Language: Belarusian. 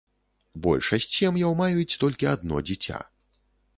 Большасць сем'яў маюць толькі адно дзіця.